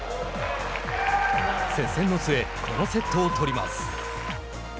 接戦の末、このセットを取ります。